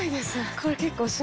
これ結構。